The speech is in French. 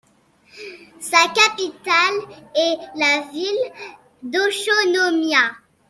Sa capitale est la ville d'Utsunomiya.